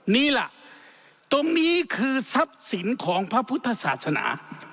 นี่ล่ะตรงนี้คือทรัพย์สินของพระพุทธศาสนา